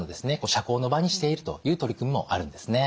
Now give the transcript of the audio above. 社交の場にしているという取り組みもあるんですね。